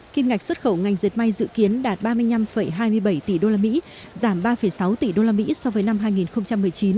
kim ngạch xuất khẩu ngành dệt may dự kiến đạt ba mươi năm hai mươi bảy tỷ usd giảm ba sáu tỷ usd so với năm hai nghìn một mươi chín